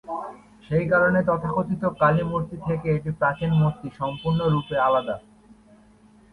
সেই কারণে তথাকথিত কালী মূর্তি থেকে এটি প্রাচীন মূর্তিটি সম্পূর্ণরূপে আলাদা।